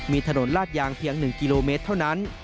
มีถนนลาดยางเพียง๑กิโลเมตรเท่านั้น